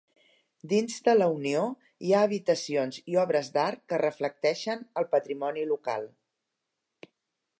Dins de la Unió hi ha habitacions i obres d'art que reflecteixen el patrimoni local.